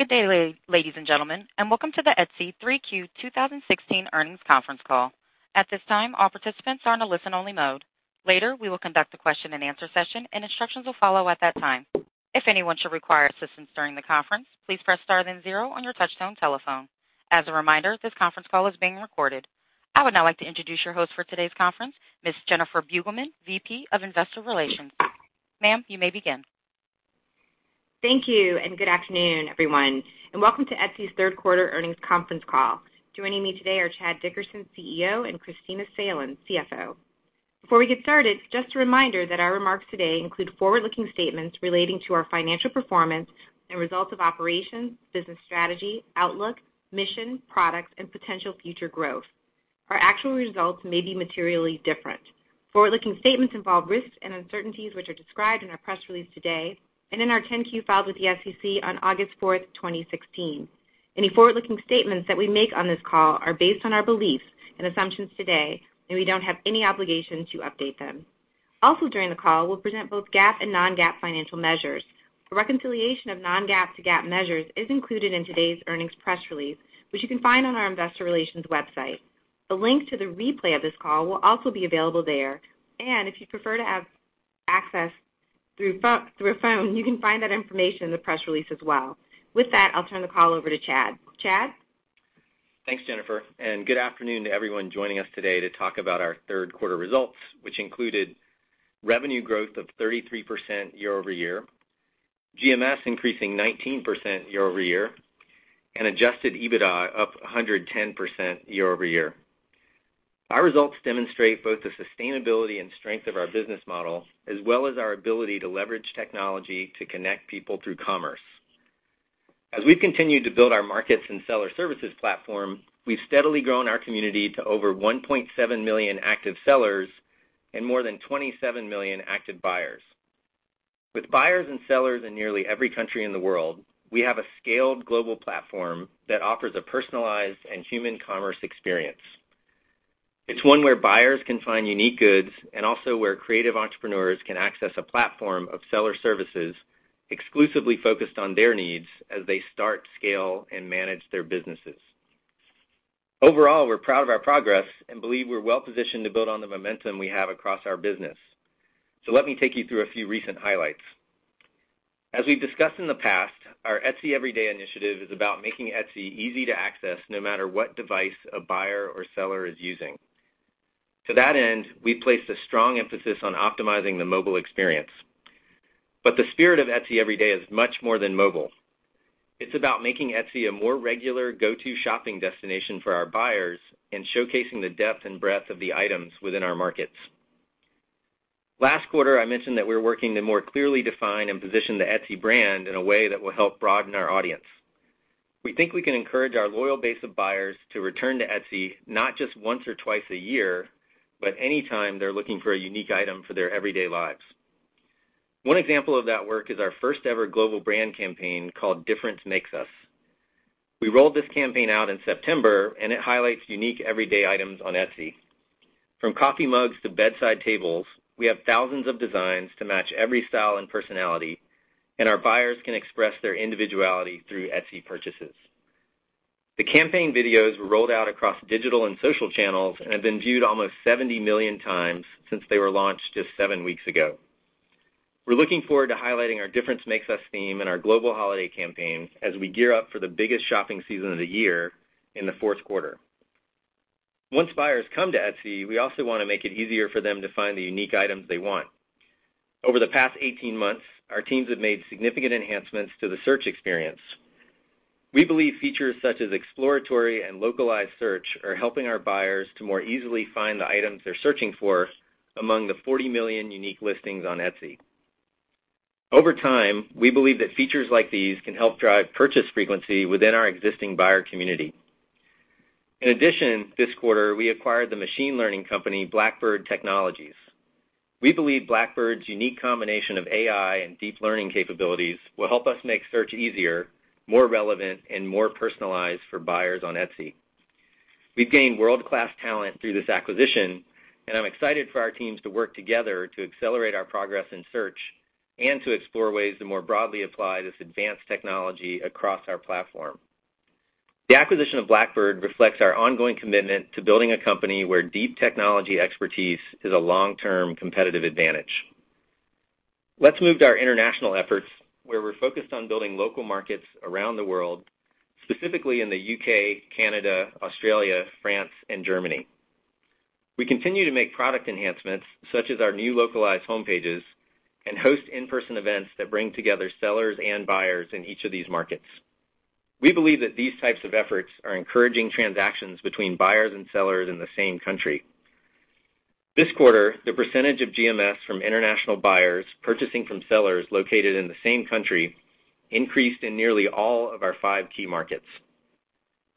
Good day, ladies and gentlemen. Welcome to the Etsy 3Q 2016 Earnings Conference Call. At this time, all participants are in a listen-only mode. Later, we will conduct a question and answer session. Instructions will follow at that time. If anyone should require assistance during the conference, please press star then zero on your touchtone telephone. As a reminder, this conference call is being recorded. I would now like to introduce your host for today's conference, Ms. Jennifer Beugelmans, VP of Investor Relations. Ma'am, you may begin. Thank you. Good afternoon, everyone. Welcome to Etsy's third quarter earnings conference call. Joining me today are Chad Dickerson, CEO, and Kristina Salen, CFO. Before we get started, just a reminder that our remarks today include forward-looking statements relating to our financial performance and results of operations, business strategy, outlook, mission, products, and potential future growth. Our actual results may be materially different. Forward-looking statements involve risks and uncertainties which are described in our press release today and in our 10-Q filed with the SEC on August 4th, 2016. Any forward-looking statements that we make on this call are based on our beliefs and assumptions today. We don't have any obligation to update them. Also, during the call, we'll present both GAAP and non-GAAP financial measures. A reconciliation of non-GAAP to GAAP measures is included in today's earnings press release, which you can find on our investor relations website. The link to the replay of this call will also be available there. If you'd prefer to have access through a phone, you can find that information in the press release as well. With that, I'll turn the call over to Chad. Chad? Thanks, Jennifer. Good afternoon to everyone joining us today to talk about our third quarter results, which included revenue growth of 33% year-over-year, GMS increasing 19% year-over-year, and adjusted EBITDA up 110% year-over-year. Our results demonstrate both the sustainability and strength of our business model, as well as our ability to leverage technology to connect people through commerce. As we've continued to build our markets and seller services platform, we've steadily grown our community to over 1.7 million active sellers and more than 27 million active buyers. With buyers and sellers in nearly every country in the world, we have a scaled global platform that offers a personalized and human commerce experience. It's one where buyers can find unique goods and also where creative entrepreneurs can access a platform of seller services exclusively focused on their needs as they start, scale, and manage their businesses. Overall, we're proud of our progress and believe we're well positioned to build on the momentum we have across our business. Let me take you through a few recent highlights. As we've discussed in the past, our Etsy Everyday initiative is about making Etsy easy to access no matter what device a buyer or seller is using. To that end, we've placed a strong emphasis on optimizing the mobile experience. The spirit of Etsy Everyday is much more than mobile. It's about making Etsy a more regular go-to shopping destination for our buyers and showcasing the depth and breadth of the items within our markets. Last quarter, I mentioned that we're working to more clearly define and position the Etsy brand in a way that will help broaden our audience. We think we can encourage our loyal base of buyers to return to Etsy not just once or twice a year, but anytime they're looking for a unique item for their everyday lives. One example of that work is our first ever global brand campaign called Difference Makes Us. We rolled this campaign out in September, and it highlights unique everyday items on Etsy. From coffee mugs to bedside tables, we have thousands of designs to match every style and personality, and our buyers can express their individuality through Etsy purchases. The campaign videos were rolled out across digital and social channels and have been viewed almost 70 million times since they were launched just seven weeks ago. We're looking forward to highlighting our Difference Makes Us theme in our global holiday campaign as we gear up for the biggest shopping season of the year in the fourth quarter. Once buyers come to Etsy, we also want to make it easier for them to find the unique items they want. Over the past 18 months, our teams have made significant enhancements to the search experience. We believe features such as exploratory and localized search are helping our buyers to more easily find the items they're searching for among the 40 million unique listings on Etsy. Over time, we believe that features like these can help drive purchase frequency within our existing buyer community. In addition, this quarter, we acquired the machine learning company, Blackbird Technologies. We believe Blackbird's unique combination of AI and deep learning capabilities will help us make search easier, more relevant, and more personalized for buyers on Etsy. We've gained world-class talent through this acquisition, and I'm excited for our teams to work together to accelerate our progress in search and to explore ways to more broadly apply this advanced technology across our platform. The acquisition of Blackbird reflects our ongoing commitment to building a company where deep technology expertise is a long-term competitive advantage. Let's move to our international efforts, where we're focused on building local markets around the world, specifically in the U.K., Canada, Australia, France, and Germany. We continue to make product enhancements, such as our new localized homepages, and host in-person events that bring together sellers and buyers in each of these markets. We believe that these types of efforts are encouraging transactions between buyers and sellers in the same country. This quarter, the percentage of GMS from international buyers purchasing from sellers located in the same country increased in nearly all of our five key markets.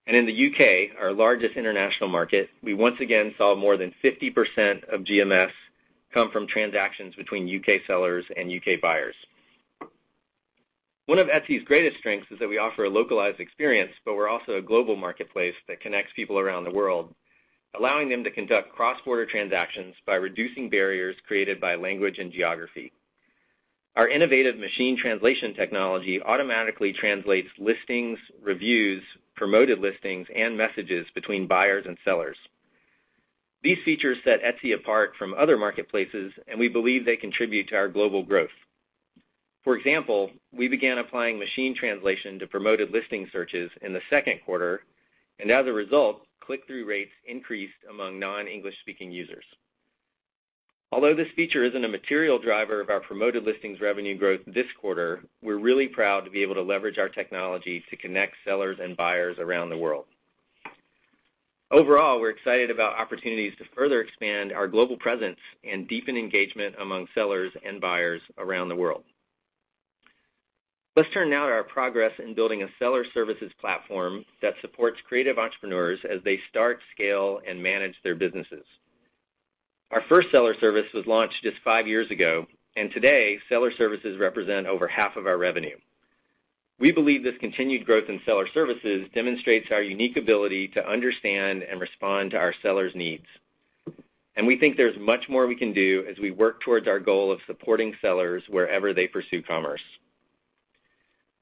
In the U.K., our largest international market, we once again saw more than 50% of GMS come from transactions between U.K. sellers and U.K. buyers. One of Etsy's greatest strengths is that we offer a localized experience, but we're also a global marketplace that connects people around the world. Allowing them to conduct cross-border transactions by reducing barriers created by language and geography. Our innovative machine translation technology automatically translates listings, reviews, promoted listings, and messages between buyers and sellers. These features set Etsy apart from other marketplaces, and we believe they contribute to our global growth. For example, we began applying machine translation to promoted listing searches in the second quarter, and as a result, click-through rates increased among non-English speaking users. Although this feature isn't a material driver of our promoted listings revenue growth this quarter, we're really proud to be able to leverage our technology to connect sellers and buyers around the world. Overall, we're excited about opportunities to further expand our global presence and deepen engagement among sellers and buyers around the world. Let's turn now to our progress in building a seller services platform that supports creative entrepreneurs as they start, scale, and manage their businesses. Our first seller service was launched just five years ago, and today, seller services represent over half of our revenue. We believe this continued growth in seller services demonstrates our unique ability to understand and respond to our sellers' needs. We think there's much more we can do as we work towards our goal of supporting sellers wherever they pursue commerce.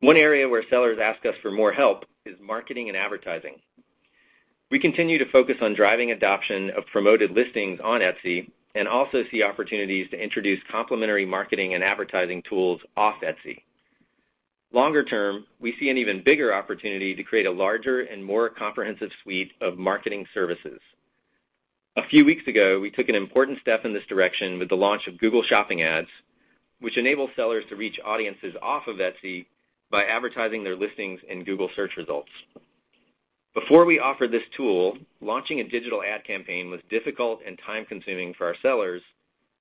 One area where sellers ask us for more help is marketing and advertising. We continue to focus on driving adoption of promoted listings on Etsy, also see opportunities to introduce complementary marketing and advertising tools off Etsy. Longer term, we see an even bigger opportunity to create a larger and more comprehensive suite of marketing services. A few weeks ago, we took an important step in this direction with the launch of Google Shopping Ads, which enable sellers to reach audiences off of Etsy by advertising their listings in Google Search results. Before we offered this tool, launching a digital ad campaign was difficult and time-consuming for our sellers,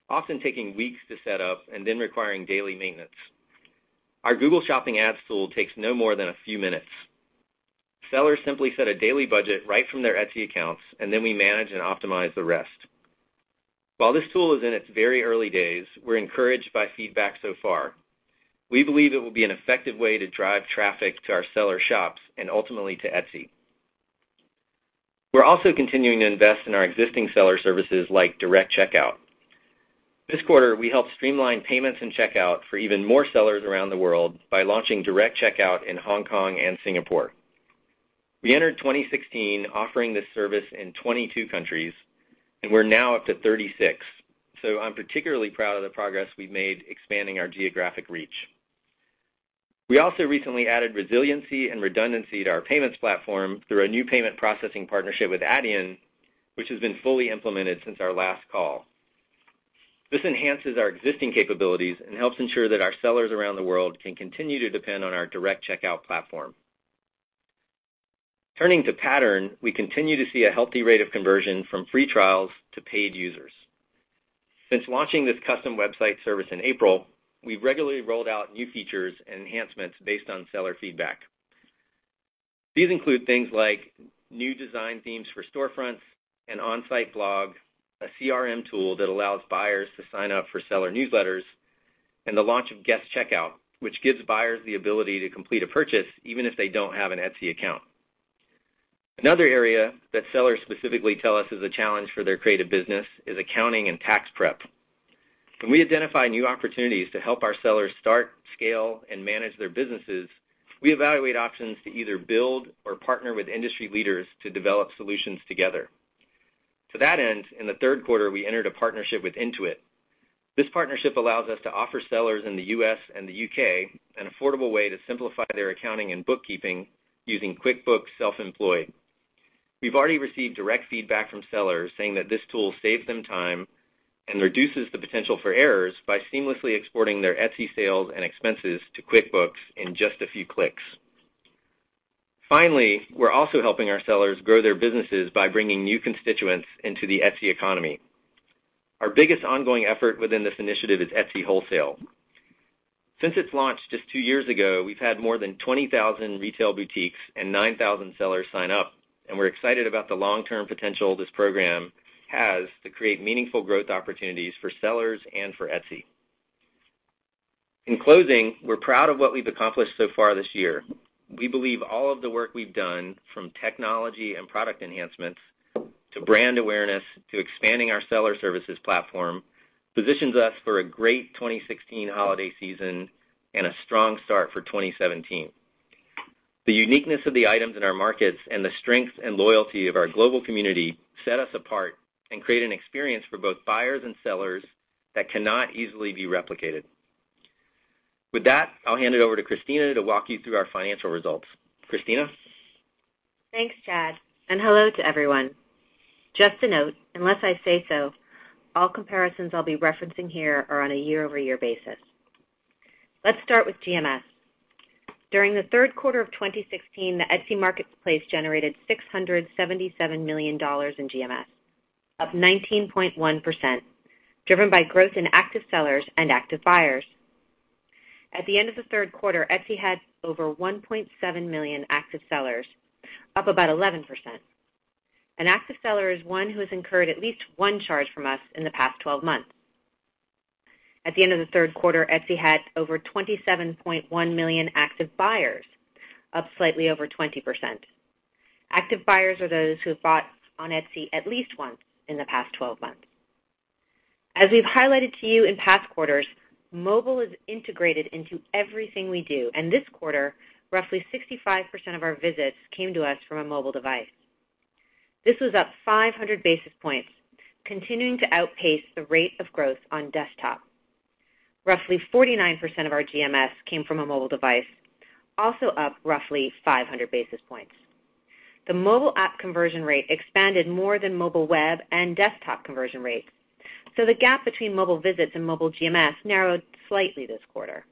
often taking weeks to set up and then requiring daily maintenance. Our Google Shopping Ads tool takes no more than a few minutes. Sellers simply set a daily budget right from their Etsy accounts, then we manage and optimize the rest. While this tool is in its very early days, we're encouraged by feedback so far. We believe it will be an effective way to drive traffic to our sellers' shops, and ultimately to Etsy. We're also continuing to invest in our existing seller services, like Direct Checkout. This quarter, we helped streamline payments and checkout for even more sellers around the world by launching Direct Checkout in Hong Kong and Singapore. We entered 2016 offering this service in 22 countries, and we're now up to 36. I'm particularly proud of the progress we've made expanding our geographic reach. We also recently added resiliency and redundancy to our payments platform through a new payment processing partnership with Adyen, which has been fully implemented since our last call. This enhances our existing capabilities and helps ensure that our sellers around the world can continue to depend on our Direct Checkout platform. Turning to Pattern, we continue to see a healthy rate of conversion from free trials to paid users. Since launching this custom website service in April, we've regularly rolled out new features and enhancements based on seller feedback. These include things like new design themes for storefronts, an on-site blog, a CRM tool that allows buyers to sign up for seller newsletters, and the launch of guest checkout, which gives buyers the ability to complete a purchase even if they don't have an Etsy account. Another area that sellers specifically tell us is a challenge for their creative business is accounting and tax prep. When we identify new opportunities to help our sellers start, scale, and manage their businesses, we evaluate options to either build or partner with industry leaders to develop solutions together. To that end, in the third quarter, we entered a partnership with Intuit. This partnership allows us to offer sellers in the U.S. and the U.K. an affordable way to simplify their accounting and bookkeeping using QuickBooks Self-Employed. We've already received direct feedback from sellers saying that this tool saves them time and reduces the potential for errors by seamlessly exporting their Etsy sales and expenses to QuickBooks in just a few clicks. We're also helping our sellers grow their businesses by bringing new constituents into the Etsy economy. Our biggest ongoing effort within this initiative is Etsy Wholesale. Since its launch just two years ago, we've had more than 20,000 retail boutiques and 9,000 sellers sign up, and we're excited about the long-term potential this program has to create meaningful growth opportunities for sellers and for Etsy. In closing, we're proud of what we've accomplished so far this year. We believe all of the work we've done, from technology and product enhancements to brand awareness, to expanding our seller services platform, positions us for a great 2016 holiday season and a strong start for 2017. The uniqueness of the items in our markets and the strength and loyalty of our global community set us apart and create an experience for both buyers and sellers that cannot easily be replicated. With that, I'll hand it over to Kristina to walk you through our financial results. Kristina? Thanks, Chad, and hello to everyone. Just a note, unless I say so, all comparisons I'll be referencing here are on a year-over-year basis. Let's start with GMS. During the third quarter of 2016, the Etsy marketplace generated $677 million in GMS, up 19.1%, driven by growth in active sellers and active buyers. At the end of the third quarter, Etsy had over 1.7 million active sellers, up about 11%. An active seller is one who has incurred at least one charge from us in the past 12 months. At the end of the third quarter, Etsy had over 27.1 million active buyers, up slightly over 20%. Active buyers are those who have bought on Etsy at least once in the past 12 months. As we've highlighted to you in past quarters, mobile is integrated into everything we do. This quarter, roughly 65% of our visits came to us from a mobile device. This was up 500 basis points, continuing to outpace the rate of growth on desktop. Roughly 49% of our GMS came from a mobile device, also up roughly 500 basis points. The mobile app conversion rate expanded more than mobile web and desktop conversion rates. The gap between mobile visits and mobile GMS narrowed slightly this quarter.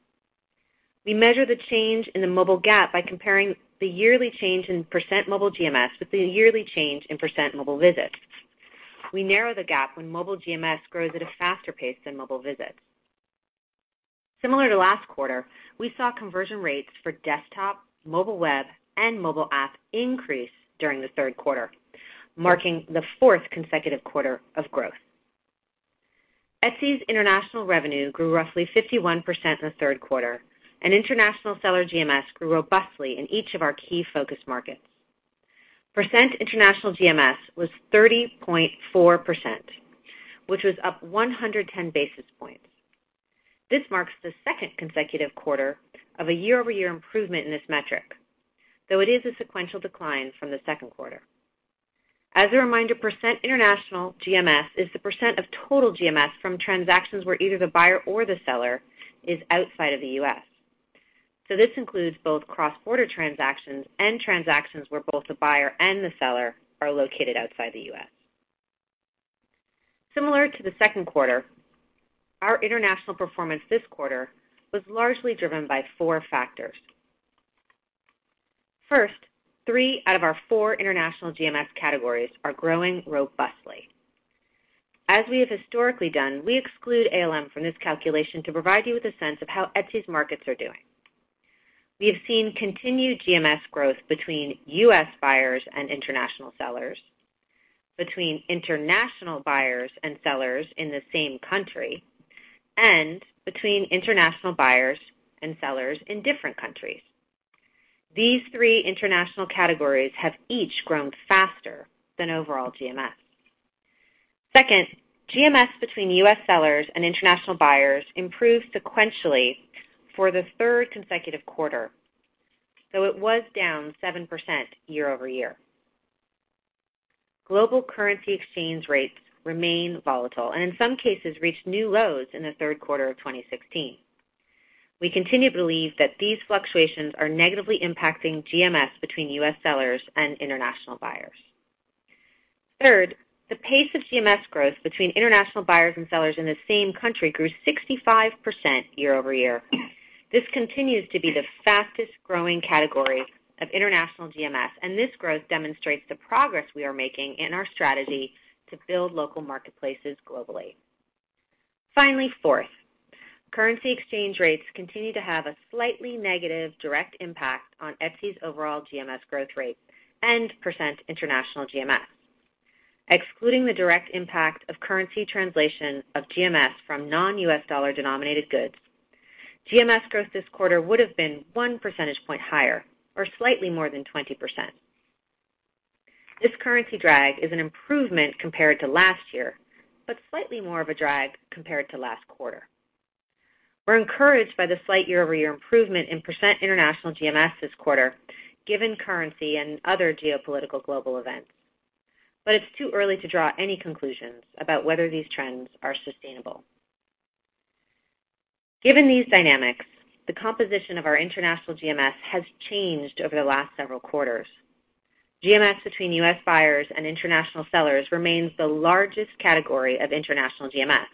We measure the change in the mobile gap by comparing the yearly change in percent mobile GMS with the yearly change in percent mobile visits. We narrow the gap when mobile GMS grows at a faster pace than mobile visits. Similar to last quarter, we saw conversion rates for desktop, mobile web, and mobile app increase during the third quarter, marking the fourth consecutive quarter of growth. Etsy's international revenue grew roughly 51% in the third quarter. International seller GMS grew robustly in each of our key focus markets. Percent international GMS was 30.4%, which was up 110 basis points. This marks the second consecutive quarter of a year-over-year improvement in this metric, though it is a sequential decline from the second quarter. As a reminder, percent international GMS is the percent of total GMS from transactions where either the buyer or the seller is outside of the U.S. This includes both cross-border transactions and transactions where both the buyer and the seller are located outside the U.S. Similar to the second quarter, our international performance this quarter was largely driven by four factors. First, three out of our four international GMS categories are growing robustly. As we have historically done, we exclude ALM from this calculation to provide you with a sense of how Etsy's markets are doing. We have seen continued GMS growth between U.S. buyers and international sellers, between international buyers and sellers in the same country, between international buyers and sellers in different countries. These three international categories have each grown faster than overall GMS. Second, GMS between U.S. sellers and international buyers improved sequentially for the third consecutive quarter, though it was down 7% year-over-year. Global currency exchange rates remain volatile. In some cases, reached new lows in the third quarter of 2016. We continue to believe that these fluctuations are negatively impacting GMS between U.S. sellers and international buyers. Third, the pace of GMS growth between international buyers and sellers in the same country grew 65% year-over-year. This continues to be the fastest-growing category of international GMS. This growth demonstrates the progress we are making in our strategy to build local marketplaces globally. Finally, fourth, currency exchange rates continue to have a slightly negative direct impact on Etsy's overall GMS growth rate and percent international GMS. Excluding the direct impact of currency translation of GMS from non-U.S. dollar denominated goods, GMS growth this quarter would've been one percentage point higher or slightly more than 20%. This currency drag is an improvement compared to last year, slightly more of a drag compared to last quarter. We're encouraged by the slight year-over-year improvement in percent international GMS this quarter, given currency and other geopolitical global events. It's too early to draw any conclusions about whether these trends are sustainable. Given these dynamics, the composition of our international GMS has changed over the last several quarters. GMS between U.S. buyers and international sellers remains the largest category of international GMS.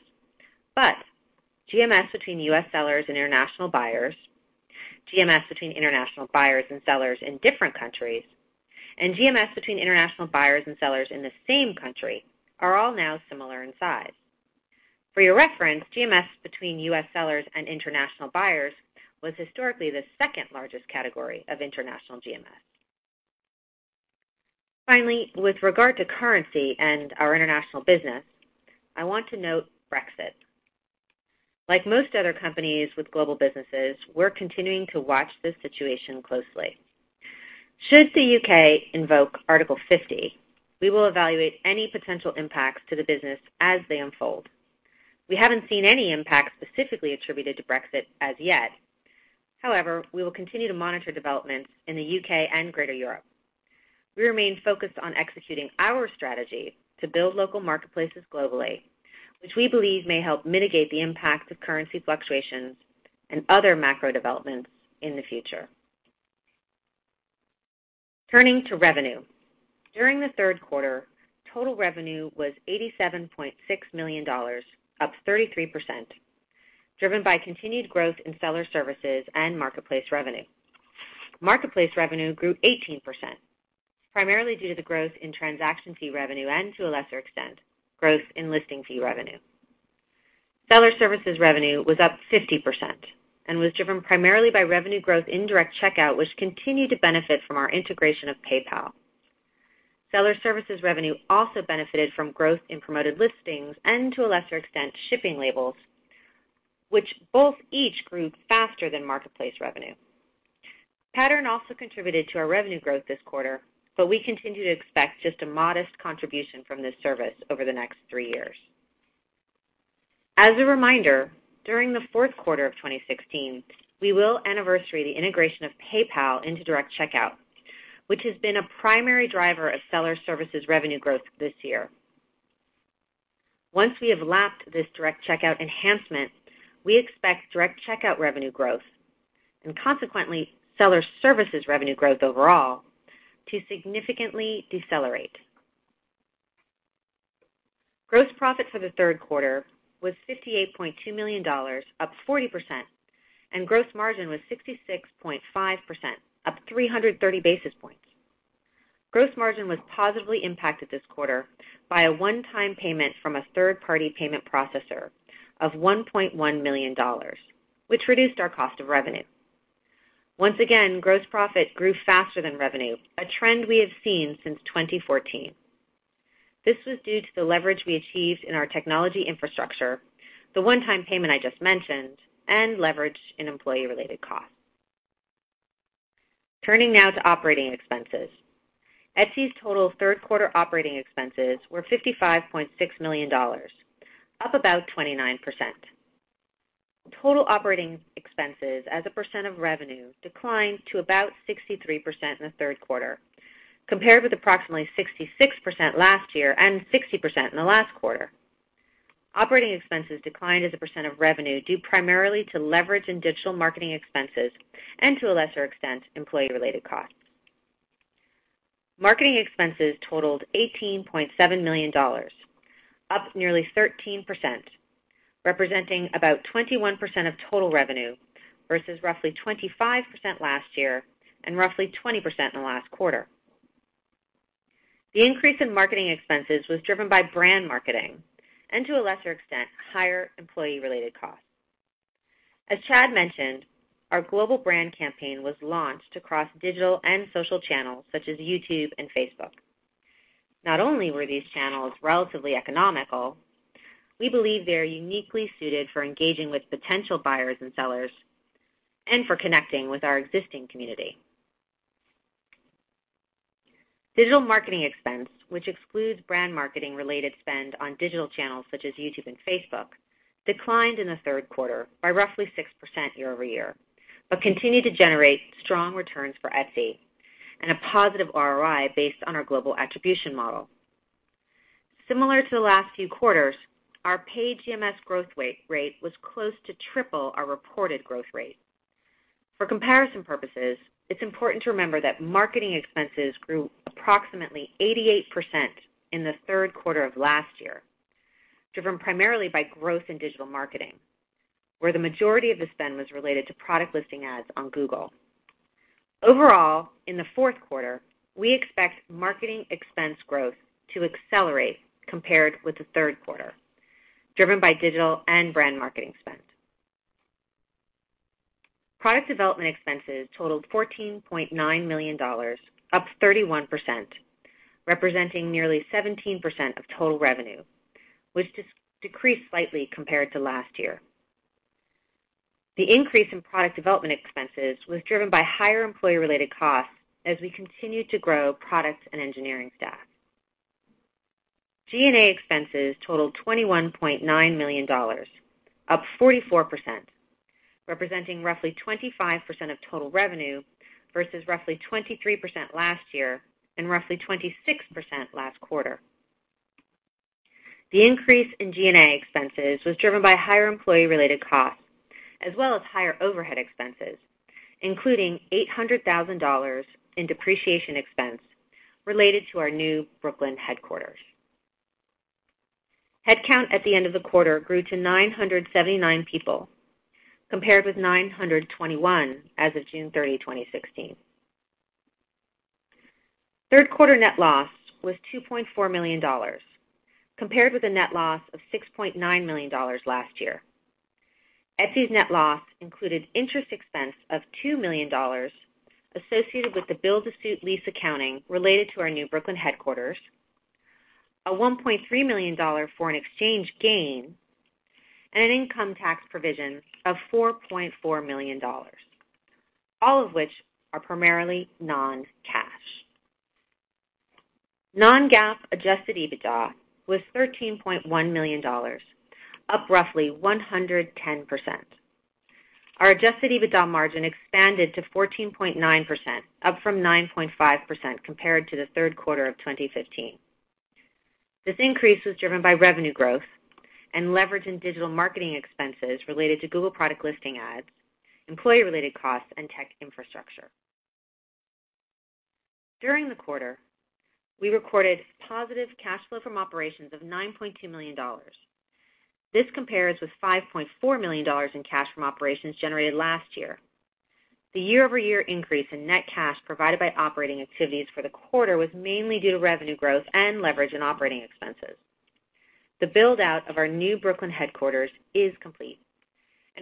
GMS between U.S. sellers and international buyers, GMS between international buyers and sellers in different countries, and GMS between international buyers and sellers in the same country are all now similar in size. For your reference, GMS between U.S. sellers and international buyers was historically the second largest category of international GMS. Finally, with regard to currency and our international business, I want to note Brexit. Like most other companies with global businesses, we're continuing to watch the situation closely. Should the U.K. invoke Article 50, we will evaluate any potential impacts to the business as they unfold. We haven't seen any impact specifically attributed to Brexit as yet. However, we will continue to monitor developments in the U.K. and greater Europe. We remain focused on executing our strategy to build local marketplaces globally, which we believe may help mitigate the impact of currency fluctuations and other macro developments in the future. Turning to revenue. During the third quarter, total revenue was $87.6 million, up 33%, driven by continued growth in seller services and marketplace revenue. Marketplace revenue grew 18%, primarily due to the growth in transaction fee revenue and, to a lesser extent, growth in listing fee revenue. Seller services revenue was up 50% and was driven primarily by revenue growth in Direct Checkout, which continued to benefit from our integration of PayPal. Seller services revenue also benefited from growth in promoted listings and to a lesser extent, shipping labels, which both each grew faster than marketplace revenue. Pattern also contributed to our revenue growth this quarter, but we continue to expect just a modest contribution from this service over the next three years. As a reminder, during the fourth quarter of 2016, we will anniversary the integration of PayPal into Direct Checkout, which has been a primary driver of seller services revenue growth this year. Once we have lapped this Direct Checkout enhancement, we expect Direct Checkout revenue growth, and consequently seller services revenue growth overall, to significantly decelerate. Gross profit for the third quarter was $58.2 million, up 40%, and gross margin was 66.5%, up 330 basis points. Gross margin was positively impacted this quarter by a one-time payment from a third-party payment processor of $1.1 million, which reduced our cost of revenue. Once again, gross profit grew faster than revenue, a trend we have seen since 2014. This was due to the leverage we achieved in our technology infrastructure, the one-time payment I just mentioned, and leverage in employee-related costs. Turning now to operating expenses. Etsy's total third quarter operating expenses were $55.6 million, up about 29%. Total operating expenses as a percent of revenue declined to about 63% in the third quarter, compared with approximately 66% last year and 60% in the last quarter. Operating expenses declined as a percent of revenue due primarily to leverage in digital marketing expenses, and to a lesser extent, employee-related costs. Marketing expenses totaled $18.7 million, up nearly 13%, representing about 21% of total revenue versus roughly 25% last year and roughly 20% in the last quarter. The increase in marketing expenses was driven by brand marketing and to a lesser extent, higher employee-related costs. As Chad mentioned, our global brand campaign was launched across digital and social channels such as YouTube and Facebook. Not only were these channels relatively economical, we believe they're uniquely suited for engaging with potential buyers and sellers and for connecting with our existing community. Digital marketing expense, which excludes brand marketing related spend on digital channels such as YouTube and Facebook, declined in the third quarter by roughly 6% year-over-year, but continued to generate strong returns for Etsy and a positive ROI based on our global attribution model. Similar to the last few quarters, our paid GMS growth rate was close to triple our reported growth rate. For comparison purposes, it's important to remember that marketing expenses grew approximately 88% in the third quarter of last year, driven primarily by growth in digital marketing, where the majority of the spend was related to Product Listing Ads on Google. In the fourth quarter, we expect marketing expense growth to accelerate compared with the third quarter, driven by digital and brand marketing spend. Product development expenses totaled $14.9 million, up 31%, representing nearly 17% of total revenue, which decreased slightly compared to last year. The increase in product development expenses was driven by higher employee-related costs as we continued to grow products and engineering staff. G&A expenses totaled $21.9 million, up 44%, representing roughly 25% of total revenue versus roughly 23% last year and roughly 26% last quarter. The increase in G&A expenses was driven by higher employee-related costs, as well as higher overhead expenses, including $800,000 in depreciation expense related to our new Brooklyn headquarters. Headcount at the end of the quarter grew to 979 people, compared with 921 as of June 30, 2016. Third quarter net loss was $2.4 million, compared with a net loss of $6.9 million last year. Etsy's net loss included interest expense of $2 million associated with the build-to-suit lease accounting related to our new Brooklyn headquarters, a $1.3 million foreign exchange gain, and an income tax provision of $4.4 million, all of which are primarily non-cash. Non-GAAP adjusted EBITDA was $13.1 million, up roughly 110%. Our adjusted EBITDA margin expanded to 14.9%, up from 9.5% compared to the third quarter of 2015. This increase was driven by revenue growth and leverage in digital marketing expenses related to Google Product Listing Ads, employee-related costs, and tech infrastructure. During the quarter, we recorded positive cash flow from operations of $9.2 million. This compares with $5.4 million in cash from operations generated last year. The year-over-year increase in net cash provided by operating activities for the quarter was mainly due to revenue growth and leverage in operating expenses. The build-out of our new Brooklyn headquarters is complete.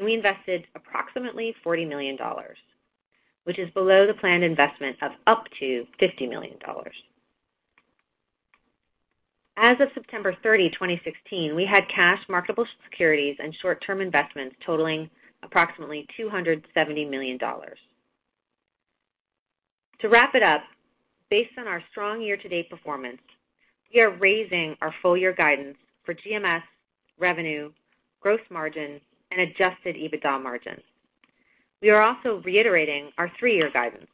We invested approximately $40 million, which is below the planned investment of up to $50 million. As of September 30, 2016, we had cash, marketable securities, and short-term investments totaling approximately $270 million. To wrap it up, based on our strong year-to-date performance, we are raising our full year guidance for GMS, revenue, gross margin, and adjusted EBITDA margins. We are also reiterating our three-year guidance.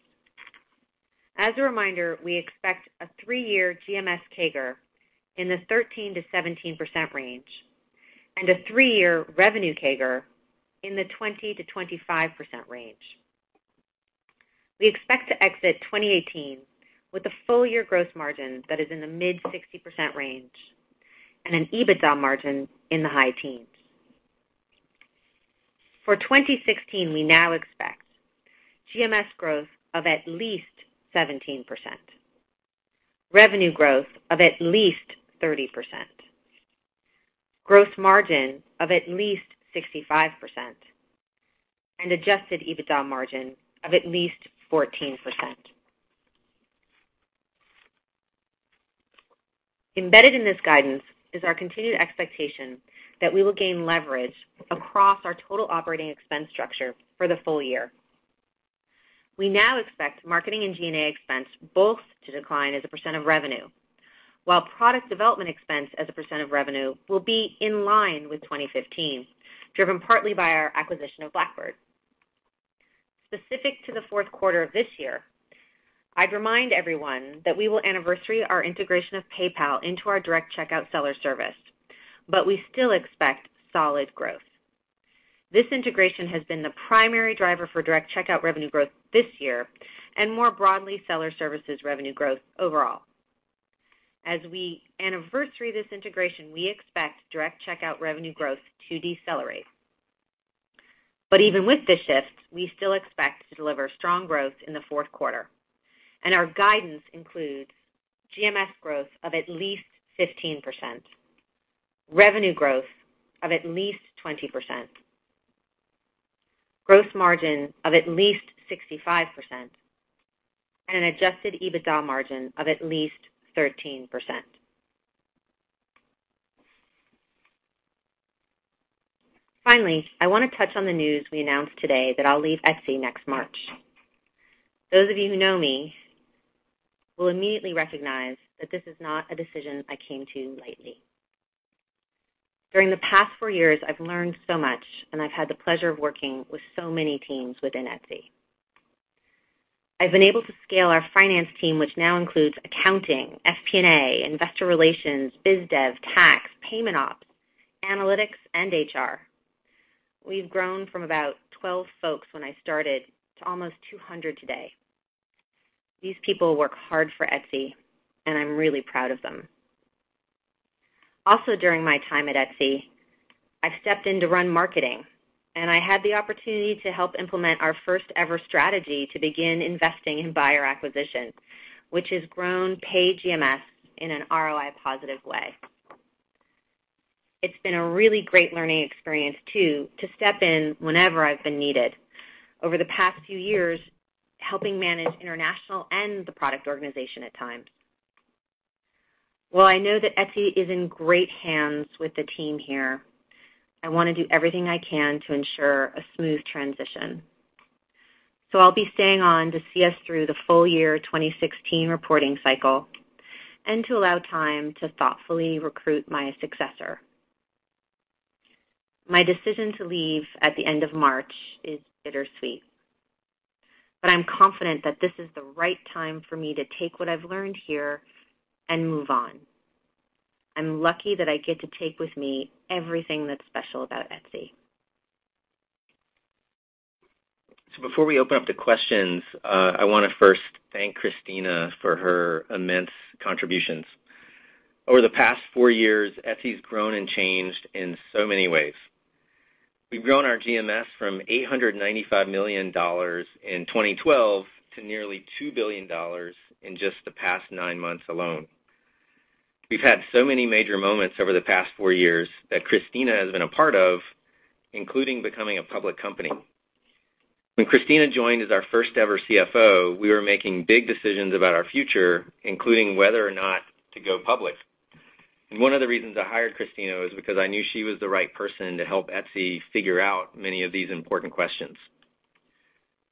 As a reminder, we expect a three-year GMS CAGR in the 13%-17% range, and a three-year revenue CAGR in the 20%-25% range. We expect to exit 2018 with a full-year gross margin that is in the mid-60% range and an EBITDA margin in the high teens. For 2016, we now expect GMS growth of at least 17%, revenue growth of at least 30%, gross margin of at least 65%, and adjusted EBITDA margin of at least 14%. Embedded in this guidance is our continued expectation that we will gain leverage across our total operating expense structure for the full year. We now expect marketing and G&A expense both to decline as a percent of revenue, while product development expense as a percent of revenue will be in line with 2015, driven partly by our acquisition of Blackbird. Specific to the fourth quarter of this year, I'd remind everyone that we will anniversary our integration of PayPal into our Direct Checkout Seller service. We still expect solid growth. This integration has been the primary driver for Direct Checkout revenue growth this year, and more broadly, Seller Services revenue growth overall. As we anniversary this integration, we expect Direct Checkout revenue growth to decelerate. Even with this shift, we still expect to deliver strong growth in the fourth quarter, and our guidance includes GMS growth of at least 15%, revenue growth of at least 20%, gross margin of at least 65%, and an adjusted EBITDA margin of at least 13%. Finally, I want to touch on the news we announced today that I'll leave Etsy next March. Those of you who know me will immediately recognize that this is not a decision I came to lightly. During the past four years, I've learned so much, and I've had the pleasure of working with so many teams within Etsy. I've been able to scale our finance team, which now includes accounting, FP&A, investor relations, biz dev, tax, payment ops, analytics, and HR. We've grown from about 12 folks when I started to almost 200 today. These people work hard for Etsy, and I'm really proud of them. Also during my time at Etsy, I've stepped in to run marketing, and I had the opportunity to help implement our first ever strategy to begin investing in buyer acquisition, which has grown paid GMS in an ROI positive way. It's been a really great learning experience, too, to step in whenever I've been needed. Over the past few years, helping manage international and the product organization at times. While I know that Etsy is in great hands with the team here, I want to do everything I can to ensure a smooth transition. I'll be staying on to see us through the full year 2016 reporting cycle and to allow time to thoughtfully recruit my successor. My decision to leave at the end of March is bittersweet. I'm confident that this is the right time for me to take what I've learned here and move on. I'm lucky that I get to take with me everything that's special about Etsy. Before we open up to questions, I want to first thank Kristina for her immense contributions. Over the past four years, Etsy's grown and changed in so many ways. We've grown our GMS from $895 million in 2012 to nearly $2 billion in just the past nine months alone. We've had so many major moments over the past four years that Kristina has been a part of, including becoming a public company. When Kristina joined as our first ever CFO, we were making big decisions about our future, including whether or not to go public. One of the reasons I hired Kristina was because I knew she was the right person to help Etsy figure out many of these important questions.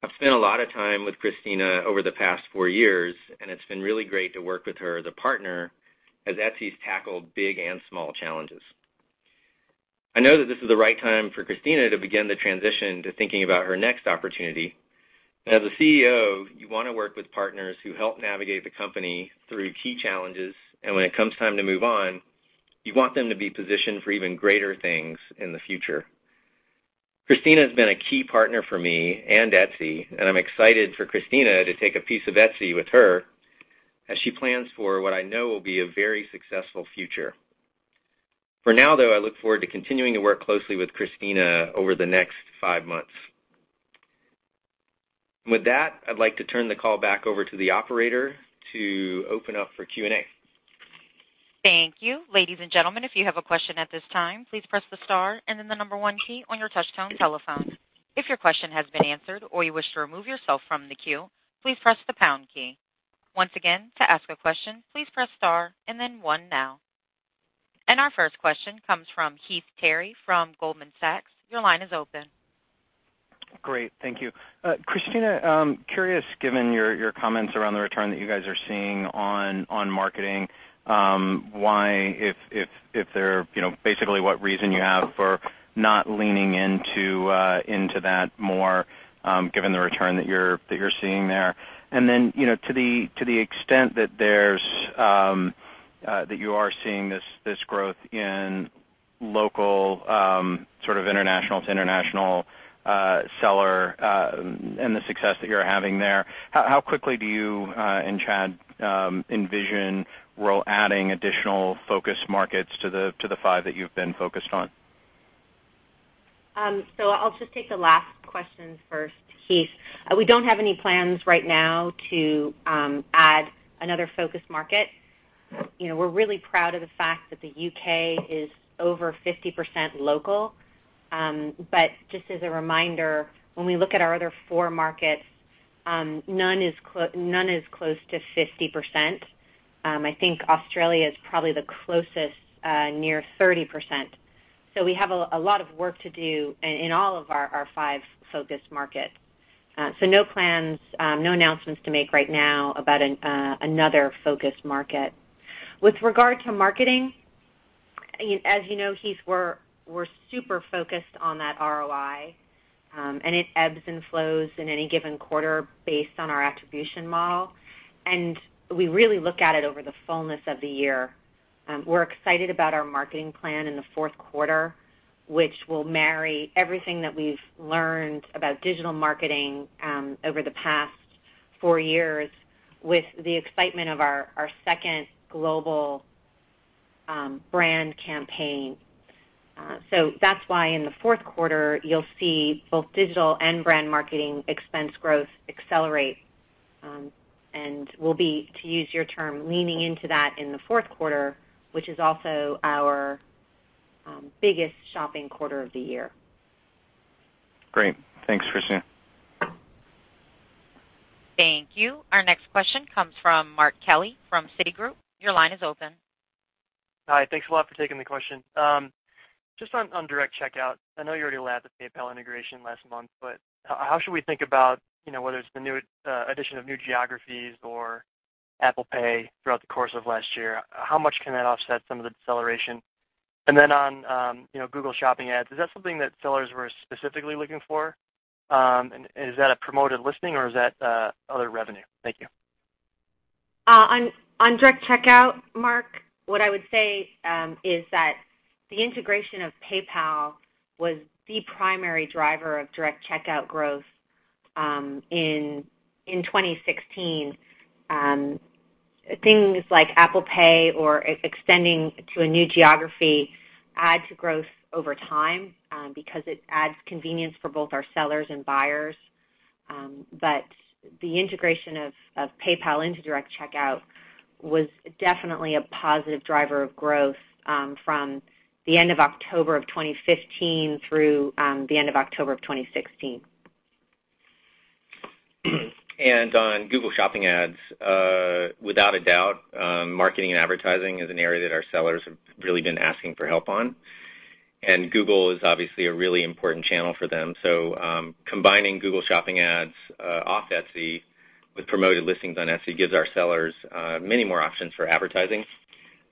I've spent a lot of time with Kristina over the past four years, and it's been really great to work with her as a partner as Etsy's tackled big and small challenges. I know that this is the right time for Kristina to begin the transition to thinking about her next opportunity. As a CEO, you want to work with partners who help navigate the company through key challenges, and when it comes time to move on, you want them to be positioned for even greater things in the future. Kristina has been a key partner for me and Etsy, and I'm excited for Kristina to take a piece of Etsy with her as she plans for what I know will be a very successful future. For now, though, I look forward to continuing to work closely with Kristina over the next five months. With that, I'd like to turn the call back over to the operator to open up for Q&A. Thank you. Ladies and gentlemen, if you have a question at this time, please press the star and then the number one key on your touchtone telephone. If your question has been answered or you wish to remove yourself from the queue, please press the pound key. Once again, to ask a question, please press star and then one now. Our first question comes from Heath Terry from Goldman Sachs. Your line is open. Great. Thank you. Kristina, curious, given your comments around the return that you guys are seeing on marketing, basically what reason you have for not leaning into that more, given the return that you're seeing there. To the extent that you are seeing this growth in local, sort of international-to-international seller, and the success that you're having there, how quickly do you and Chad envision adding additional focus markets to the five that you've been focused on? I'll just take the last question first, Heath. We don't have any plans right now to add another focus market. We're really proud of the fact that the U.K. is over 50% local. Just as a reminder, when we look at our other four markets, none is close to 50%. I think Australia is probably the closest, near 30%. We have a lot of work to do in all of our five focus markets. No plans, no announcements to make right now about another focus market. With regard to marketing, as you know, Heath, we're super focused on that ROI. It ebbs and flows in any given quarter based on our attribution model. We really look at it over the fullness of the year. We're excited about our marketing plan in the fourth quarter, which will marry everything that we've learned about digital marketing over the past four years with the excitement of our second global brand campaign. That's why in the fourth quarter, you'll see both digital and brand marketing expense growth accelerate. We'll be, to use your term, leaning into that in the fourth quarter, which is also our biggest shopping quarter of the year. Great. Thanks, Kristina. Thank you. Our next question comes from Mark Kelley from Citigroup. Your line is open. Hi. Thanks a lot for taking the question. Just on Direct Checkout. I know you already laid out the PayPal integration last month. How should we think about whether it's the addition of new geographies or Apple Pay throughout the course of last year, how much can that offset some of the deceleration? On Google Shopping Ads, is that something that sellers were specifically looking for? Is that a promoted listing, or is that other revenue? Thank you. On Direct Checkout, Mark, what I would say is that the integration of PayPal was the primary driver of Direct Checkout growth in 2016. Things like Apple Pay or extending to a new geography add to growth over time because it adds convenience for both our sellers and buyers. The integration of PayPal into Direct Checkout was definitely a positive driver of growth from the end of October of 2015 through the end of October of 2016. On Google Shopping Ads, without a doubt, marketing and advertising is an area that our sellers have really been asking for help on, and Google is obviously a really important channel for them. Combining Google Shopping Ads off Etsy with promoted listings on Etsy gives our sellers many more options for advertising.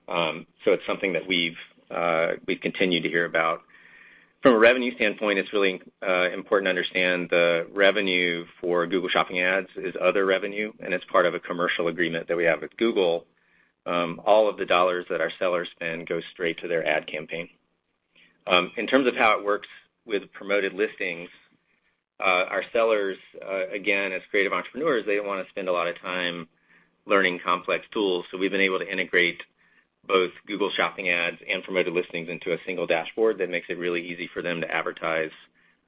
It's something that we've continued to hear about. From a revenue standpoint, it's really important to understand the revenue for Google Shopping Ads is other revenue, and it's part of a commercial agreement that we have with Google. All of the dollars that our sellers spend go straight to their ad campaign. In terms of how it works with promoted listings, our sellers, again, as creative entrepreneurs, they don't want to spend a lot of time learning complex tools. We've been able to integrate both Google Shopping Ads and promoted listings into a single dashboard that makes it really easy for them to advertise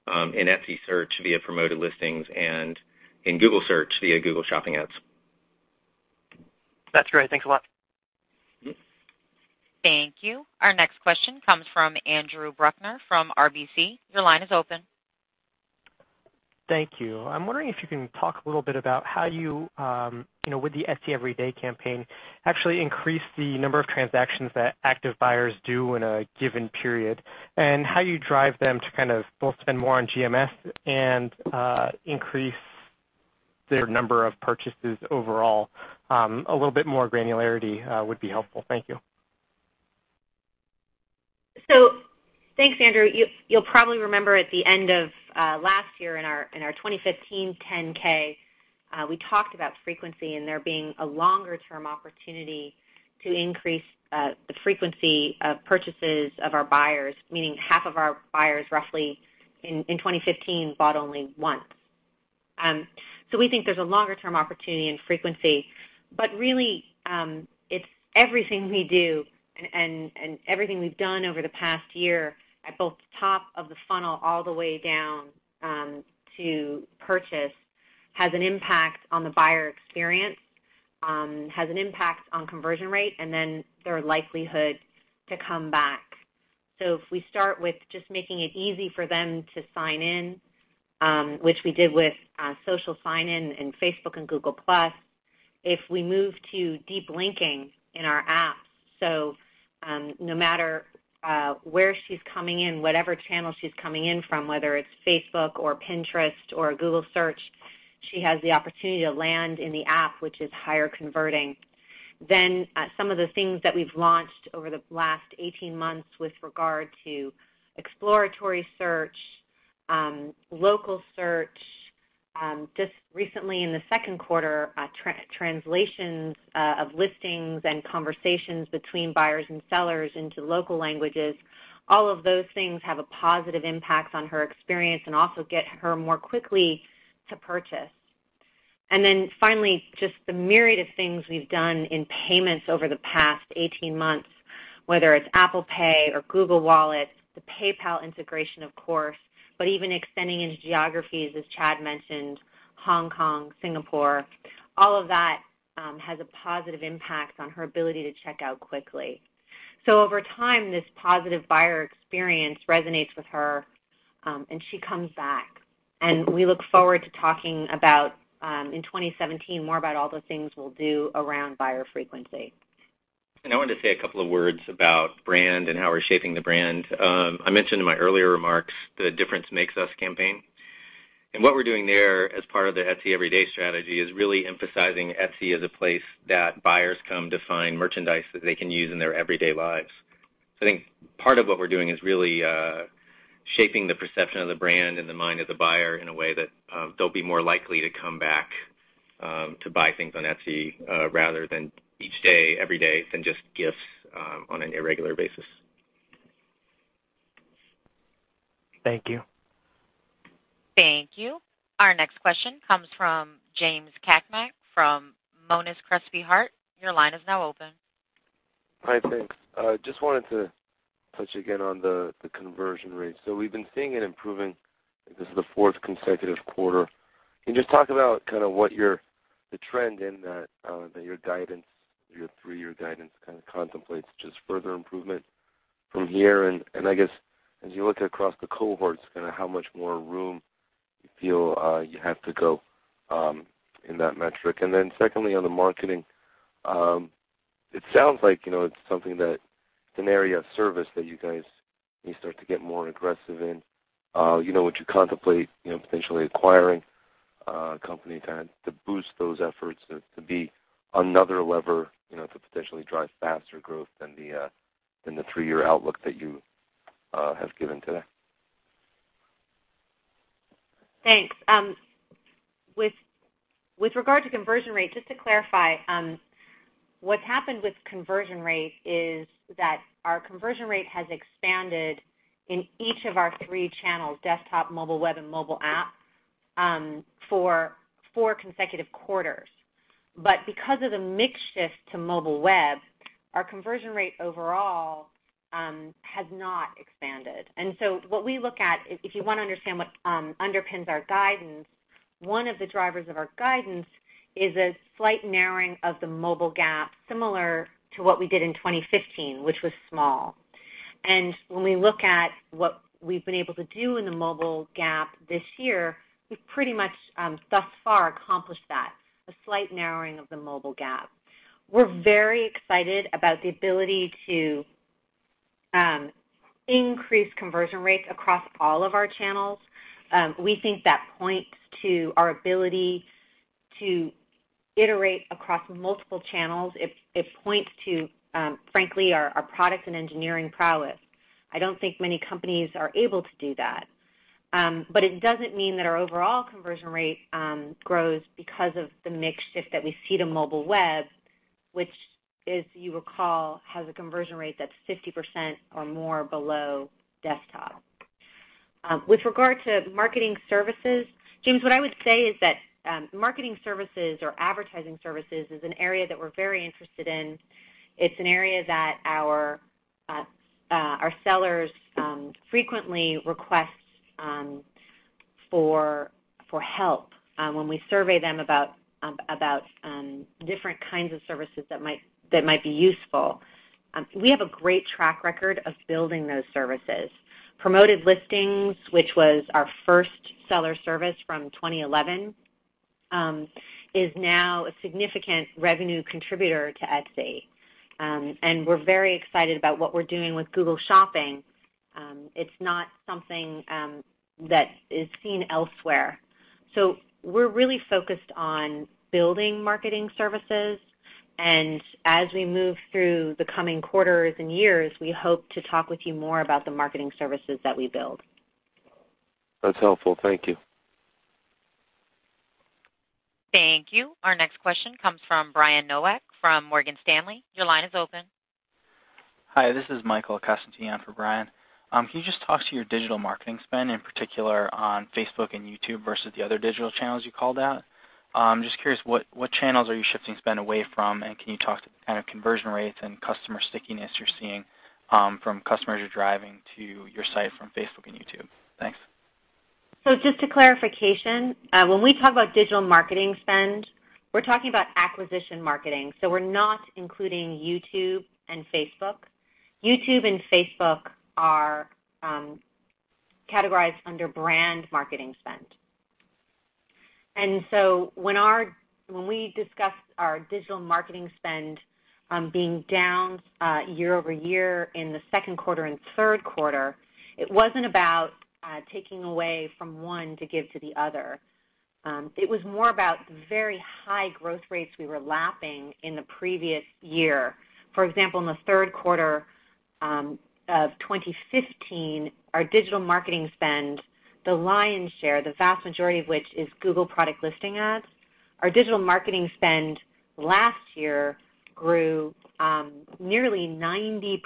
in Etsy Search via promoted listings and in Google Search via Google Shopping Ads. That's great. Thanks a lot. Thank you. Our next question comes from Andrew Bruckner from RBC. Your line is open. Thank you. I'm wondering if you can talk a little bit about how you, with the Etsy Everyday campaign, actually increase the number of transactions that active buyers do in a given period, and how you drive them to both spend more on GMS and increase their number of purchases overall. A little bit more granularity would be helpful. Thank you. Thanks, Andrew. You'll probably remember at the end of last year in our 2015 10-K, we talked about frequency and there being a longer-term opportunity to increase the frequency of purchases of our buyers, meaning half of our buyers, roughly, in 2015, bought only once. We think there's a longer-term opportunity in frequency. Really, it's everything we do and everything we've done over the past year at both the top of the funnel all the way down to purchase has an impact on the buyer experience, has an impact on conversion rate, and then their likelihood to come back. If we start with just making it easy for them to sign in, which we did with social sign-in and Facebook and Google+. If we move to deep linking in our apps, so no matter where she's coming in, whatever channel she's coming in from, whether it's Facebook or Pinterest or Google Search, she has the opportunity to land in the app, which is higher converting. Then some of the things that we've launched over the last 18 months with regard to exploratory search, local search, just recently in the second quarter, translations of listings and conversations between buyers and sellers into local languages. All of those things have a positive impact on her experience and also get her more quickly to purchase. Finally, just the myriad of things we've done in payments over the past 18 months, whether it's Apple Pay or Google Wallet, the PayPal integration, of course, but even extending into geographies, as Chad mentioned, Hong Kong, Singapore. All of that has a positive impact on her ability to check out quickly. Over time, this positive buyer experience resonates with her, and she comes back. We look forward to talking about, in 2017, more about all the things we'll do around buyer frequency. I wanted to say a couple of words about brand and how we're shaping the brand. I mentioned in my earlier remarks the Difference Makes Us campaign. What we're doing there as part of the Etsy Everyday strategy is really emphasizing Etsy as a place that buyers come to find merchandise that they can use in their everyday lives. I think part of what we're doing is really shaping the perception of the brand in the mind of the buyer in a way that they'll be more likely to come back to buy things on Etsy rather than each day, every day, than just gifts on an irregular basis. Thank you. Thank you. Our next question comes from James Cakmak from Monness, Crespi, Hardt. Your line is now open. Hi, thanks. Just wanted to touch again on the conversion rate. We've been seeing it improving. I think this is the fourth consecutive quarter. Can you just talk about kind of what the trend in that your three-year guidance kind of contemplates just further improvement from here? I guess as you look across the cohorts, how much more room you feel you have to go in that metric? Secondly, on the marketing, it sounds like it's an area of service that you guys may start to get more aggressive in. Would you contemplate potentially acquiring a company to boost those efforts to be another lever to potentially drive faster growth than the three-year outlook that you have given today? Thanks. With regard to conversion rate, just to clarify, what's happened with conversion rate is that our conversion rate has expanded in each of our three channels, desktop, mobile web, and mobile app, for four consecutive quarters. Because of the mix shift to mobile web, our conversion rate overall has not expanded. What we look at, if you want to understand what underpins our guidance, one of the drivers of our guidance is a slight narrowing of the mobile gap, similar to what we did in 2015, which was small. When we look at what we've been able to do in the mobile gap this year, we've pretty much thus far accomplished that, a slight narrowing of the mobile gap. We're very excited about the ability to increase conversion rates across all of our channels. We think that points to our ability to iterate across multiple channels. It points to, frankly, our product and engineering prowess. I don't think many companies are able to do that. It doesn't mean that our overall conversion rate grows because of the mix shift that we see to mobile web, which, as you recall, has a conversion rate that's 50% or more below desktop. With regard to marketing services, James, what I would say is that marketing services or advertising services is an area that we're very interested in. It's an area that our sellers frequently request for help when we survey them about different kinds of services that might be useful. We have a great track record of building those services. promoted listings, which was our first seller service from 2011, is now a significant revenue contributor to Etsy. We're very excited about what we're doing with Google Shopping. It's not something that is seen elsewhere. We're really focused on building marketing services. As we move through the coming quarters and years, we hope to talk with you more about the marketing services that we build. That's helpful. Thank you. Thank you. Our next question comes from Brian Nowak from Morgan Stanley. Your line is open. Hi, this is Michael Costantino for Brian. Can you just talk to your digital marketing spend, in particular on Facebook and YouTube versus the other digital channels you called out? I'm just curious, what channels are you shifting spend away from, and can you talk to kind of conversion rates and customer stickiness you're seeing from customers you're driving to your site from Facebook and YouTube? Thanks. Just a clarification, when we talk about digital marketing spend, we're talking about acquisition marketing, so we're not including YouTube and Facebook. YouTube and Facebook are categorized under brand marketing spend. When we discuss our digital marketing spend being down year-over-year in the second quarter and third quarter, it wasn't about taking away from one to give to the other. It was more about the very high growth rates we were lapping in the previous year. For example, in the third quarter of 2015, our digital marketing spend, the lion's share, the vast majority of which is Google Product Listing Ads. Our digital marketing spend last year grew nearly 90%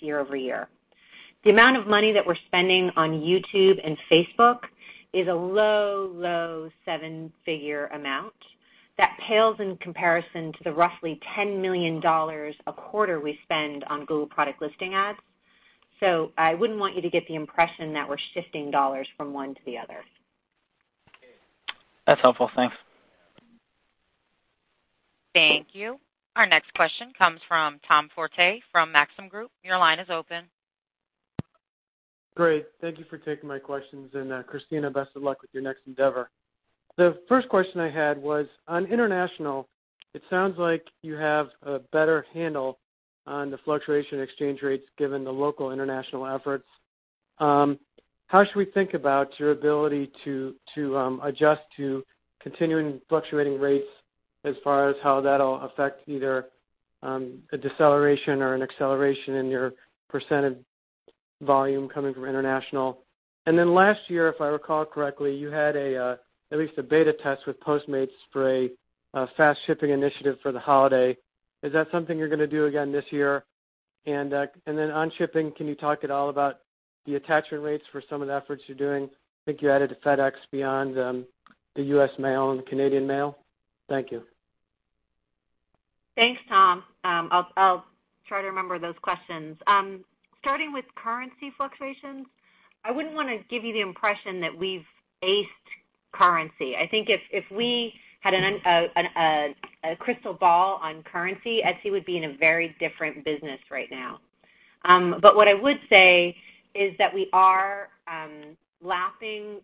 year-over-year. The amount of money that we're spending on YouTube and Facebook is a low seven-figure amount that pales in comparison to the roughly $10 million a quarter we spend on Google Product Listing Ads. I wouldn't want you to get the impression that we're shifting dollars from one to the other. That's helpful. Thanks. Thank you. Our next question comes from Tom Forte from Maxim Group. Your line is open. Great. Thank you for taking my questions. Kristina, best of luck with your next endeavor. The first question I had was, on international, it sounds like you have a better handle on the fluctuation exchange rates given the local international efforts. How should we think about your ability to adjust to continuing fluctuating rates as far as how that'll affect either a deceleration or an acceleration in your percentage volume coming from international? Then last year, if I recall correctly, you had at least a beta test with Postmates for a fast shipping initiative for the holiday. Is that something you're going to do again this year? Then on shipping, can you talk at all about the attachment rates for some of the efforts you're doing? I think you added FedEx beyond the U.S. mail and Canadian mail. Thank you. Thanks, Tom. I'll try to remember those questions. Starting with currency fluctuations, I wouldn't want to give you the impression that we've aced currency. I think if we had a crystal ball on currency, Etsy would be in a very different business right now. What I would say is that we are lapping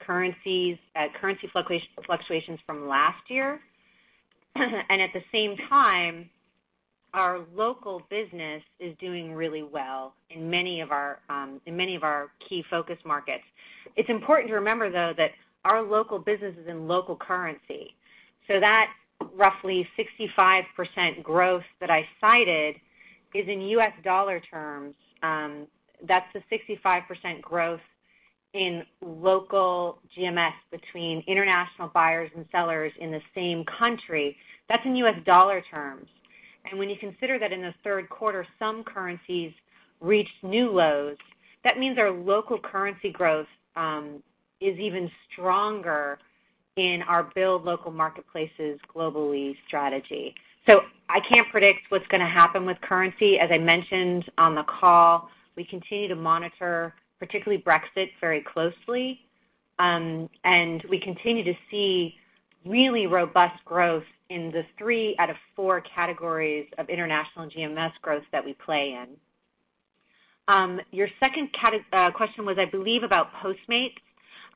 currency fluctuations from last year. At the same time, our local business is doing really well in many of our key focus markets. It's important to remember, though, that our local business is in local currency, so that roughly 65% growth that I cited is in U.S. dollar terms. That's the 65% growth in local GMS between international buyers and sellers in the same country. That's in U.S. dollar terms. When you consider that in the third quarter, some currencies reached new lows, that means our local currency growth is even stronger in our build local marketplaces globally strategy. I can't predict what's going to happen with currency. As I mentioned on the call, we continue to monitor, particularly Brexit, very closely, and we continue to see really robust growth in the three out of four categories of international GMS growth that we play in. Your second question was, I believe, about Postmates.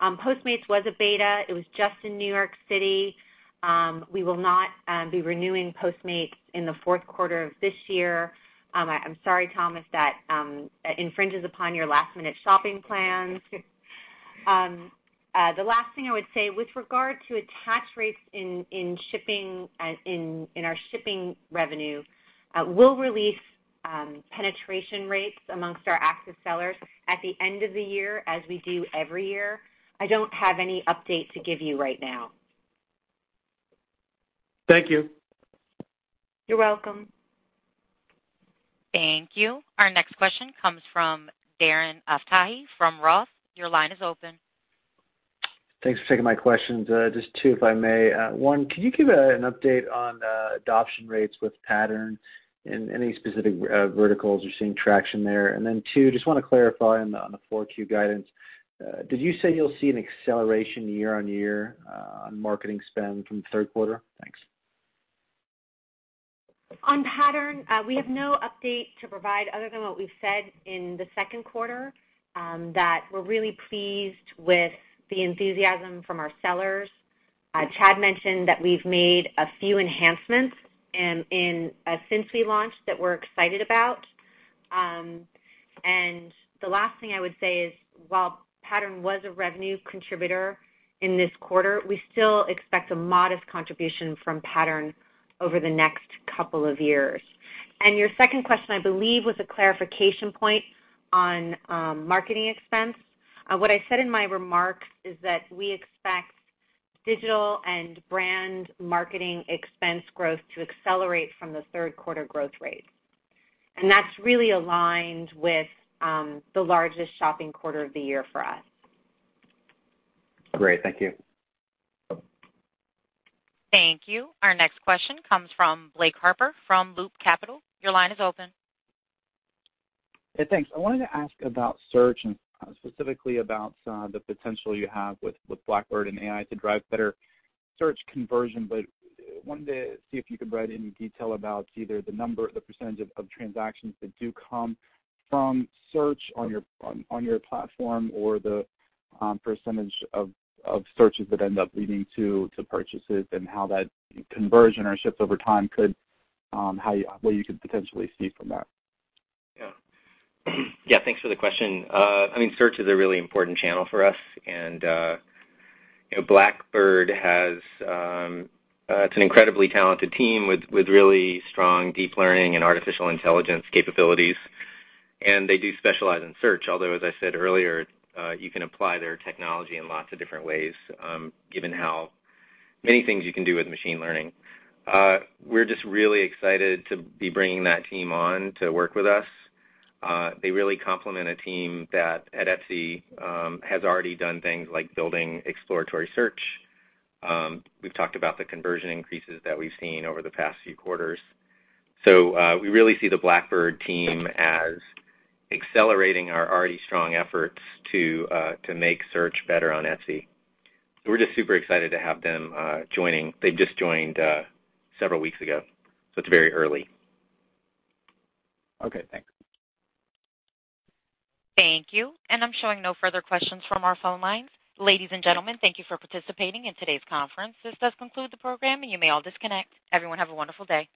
Postmates was a beta. It was just in New York City. We will not be renewing Postmates in the fourth quarter of this year. I'm sorry, Tom, if that infringes upon your last-minute shopping plans. The last thing I would say with regard to attach rates in our shipping revenue, we'll release penetration rates amongst our active sellers at the end of the year, as we do every year. I don't have any update to give you right now. Thank you. You're welcome. Thank you. Our next question comes from Darren Aftahi from Roth. Your line is open. Thanks for taking my questions. Just two, if I may. One, can you give an update on adoption rates with Pattern and any specific verticals you're seeing traction there? Two, just want to clarify on the 4Q guidance, did you say you'll see an acceleration year-over-year on marketing spend from third quarter? Thanks. On Pattern, we have no update to provide other than what we've said in the second quarter, that we're really pleased with the enthusiasm from our sellers. Chad mentioned that we've made a few enhancements since we launched that we're excited about. The last thing I would say is while Pattern was a revenue contributor in this quarter, we still expect a modest contribution from Pattern over the next couple of years. Your second question, I believe, was a clarification point on marketing expense. What I said in my remarks is that we expect digital and brand marketing expense growth to accelerate from the third quarter growth rate, that's really aligned with the largest shopping quarter of the year for us. Great. Thank you. Thank you. Our next question comes from Blake Harper from Loop Capital. Your line is open. Thanks. I wanted to ask about search and specifically about the potential you have with Blackbird and AI to drive better search conversion. Wanted to see if you could provide any detail about either the number, the percentage of transactions that do come from search on your platform or the percentage of searches that end up leading to purchases and how that conversion or shift over time could, what you could potentially see from that. Thanks for the question. I mean, search is a really important channel for us. Blackbird, it's an incredibly talented team with really strong deep learning and artificial intelligence capabilities. They do specialize in search. Although, as I said earlier, you can apply their technology in lots of different ways given how many things you can do with machine learning. We're just really excited to be bringing that team on to work with us. They really complement a team that at Etsy has already done things like building exploratory search. We've talked about the conversion increases that we've seen over the past few quarters. We really see the Blackbird team as accelerating our already strong efforts to make search better on Etsy. We're just super excited to have them joining. They just joined several weeks ago, it's very early. Okay, thanks. Thank you. I'm showing no further questions from our phone lines. Ladies and gentlemen, thank you for participating in today's conference. This does conclude the program. You may all disconnect. Everyone have a wonderful day.